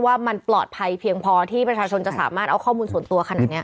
ว่ามันปลอดภัยเพียงพอที่ประชาชนจะสามารถเอาข้อมูลส่วนตัวขนาดนี้